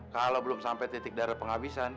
kalau belum sampai titik darah penghabisan